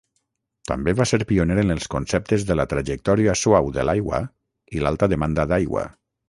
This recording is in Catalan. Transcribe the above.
També va ser pioner en els conceptes de la trajectòria suau de l'aigua i l'alta demanda d'aigua.